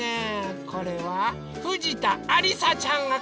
これはふじたありさちゃんがかいてくれました。